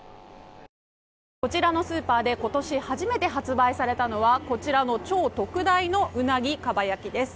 こちらのスーパーで今年初めて発売されたのはこちらの超特大のウナギかば焼きです。